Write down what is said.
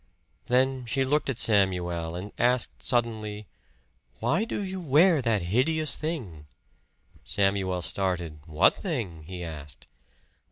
Then she looked at Samuel and asked suddenly, "Why do you wear that hideous thing?" Samuel started. "What thing?" he asked.